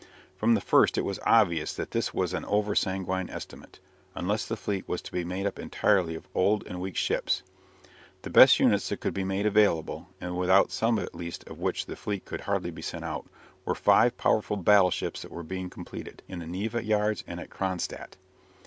From the first it was obvious that this was an over sanguine estimate, unless the fleet was to be made up entirely of old and weak ships. The best units that could be made available, and without some at least of which the fleet could hardly be sent out, were five powerful battleships that were being completed in the Neva yards and at Cronstadt.